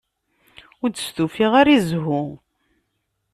Ur d-stufiɣ ara i zzhu.